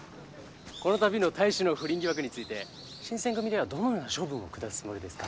この度の隊士の不倫疑惑について新選組ではどのような処分を下すつもりですか？